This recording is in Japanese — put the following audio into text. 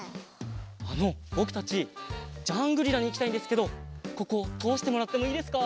あのぼくたちジャングリラにいきたいんですけどこことおしてもらってもいいですか？